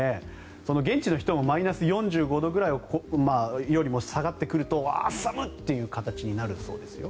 現地の人もマイナス４５度よりも下がってくるとああ、寒い！という形になるそうですよ。